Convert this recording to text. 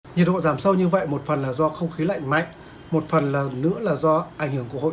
nhiệt độ giảm sâu như vậy một phần là do không khí lạnh mạnh một phần nữa là do ảnh hưởng của hội